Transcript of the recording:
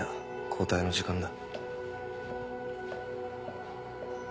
交代の時間だ。